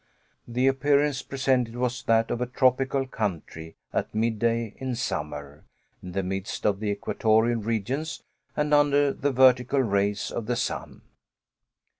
The appearance presented was that of a tropical country at midday in summer in the midst of the equatorial regions and under the vertical rays of the sun.